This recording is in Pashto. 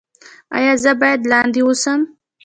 ایا زه باید لاندې اوسم؟